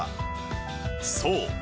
そう。